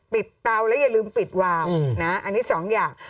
เตาแล้วอย่าลืมปิดวาวนะอันนี้สองอย่าง